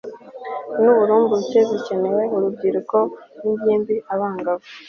n uburumbuke zigenewe urubyiruko n ingimbiabangavu